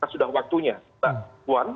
sudah waktunya mbak puan